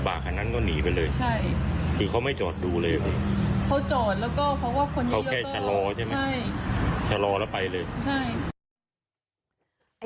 แล้วก็เพราะว่าเขาแค่ชะลอใช่ไหมใช่ชะลอแล้วไปเลยใช่